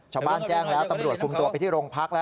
ชาวบ้านแจ้งแล้วตำรวจคุมตัวไปที่โรงพักแล้ว